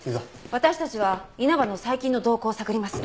私たちは稲葉の最近の動向を探ります。